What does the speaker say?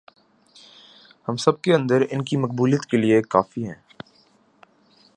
ہم سب کے اندر ان کی مقبولیت کے لئے کافی ہیں